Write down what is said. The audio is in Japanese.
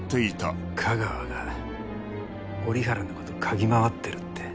架川が折原の事を嗅ぎ回ってるって？